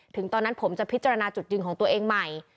ตอนนั้นผมจะพิจารณาจุดยืนของตัวเองใหม่